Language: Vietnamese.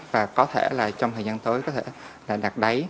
và có thể là trong thời gian tới có thể là đặt đáy